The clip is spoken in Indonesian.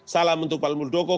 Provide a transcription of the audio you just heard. salam untuk pak muldoko